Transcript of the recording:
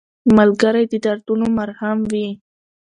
ملګری د دردونو مرهم وي